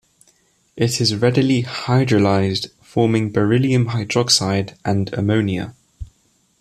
It is readily hydrolysed forming beryllium hydroxide and ammonia.